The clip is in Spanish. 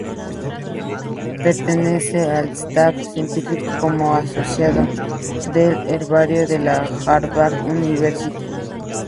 Pertenece al staff científico como Asociado, del Herbario de la Harvard University.